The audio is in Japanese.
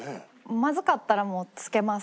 まずかったらもうつけます。